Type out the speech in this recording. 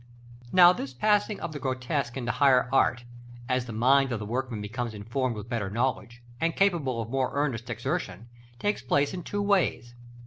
§ LI. Now, this passing of the grotesque into higher art, as the mind of the workman becomes informed with better knowledge, and capable of more earnest exertion, takes place in two ways.